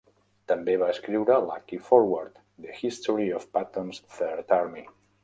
També va escriure Lucky Forward: The History of Patton's Third Army.